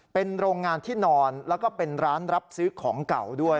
เป็นโรงงานที่นอนแล้วก็เป็นร้านรับซื้อของเก่าด้วย